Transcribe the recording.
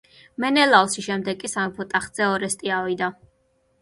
მენელაოსის შემდეგ კი სამეფო ტახტზე ორესტე ავიდა.